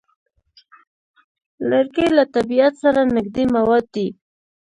لرګی له طبیعت سره نږدې مواد دي.